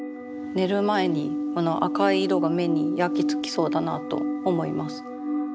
寝る前にこの赤い色が目に焼き付きそうだなと思います。